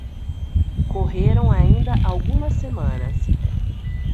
Correram ainda algumas semanas.